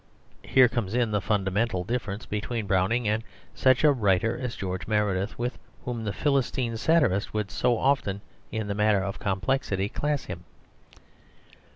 Here comes in the fundamental difference between Browning and such a writer as George Meredith, with whom the Philistine satirist would so often in the matter of complexity class him.